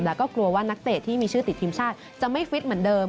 แล้วก็กลัวว่านักเตะที่มีชื่อติดทีมชาติจะไม่ฟิตเหมือนเดิม